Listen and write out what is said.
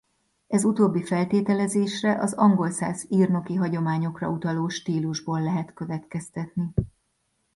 Ez utóbbi feltételezésre az angolszász írnoki hagyományokra utaló stílusból lehet következtetni.